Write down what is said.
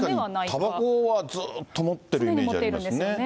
確かにたばこはずっと持ってるイメージありますね。